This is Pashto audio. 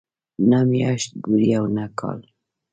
نه میاشت ګوري او نه کال.